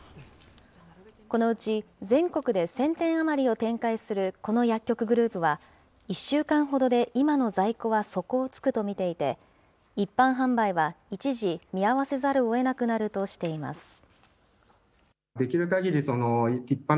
このうち、全国で１０００店余りを展開するこの薬局グループは、１週間ほどで今の在庫は底をつくと見ていて、一般販売は一時見合わせざるをえなくなるとしています。